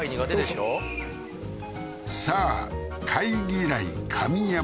どうぞさあ貝嫌い神山